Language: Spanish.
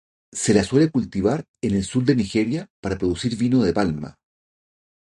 Se la suele cultivar en el sur de Nigeria para producir vino de palma.